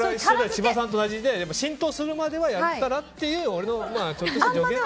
千葉さんと同じで浸透するまではやったらっていう助言ね。